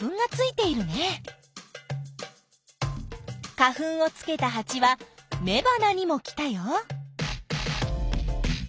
花粉をつけたハチはめばなにも来たよ。